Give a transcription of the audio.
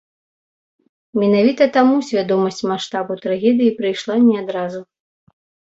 Менавіта таму свядомасць маштабу трагедыі прыйшла не адразу.